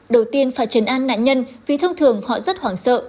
đầu tiên phải chấn an nạn nhân vì thông thường họ rất hoảng sợ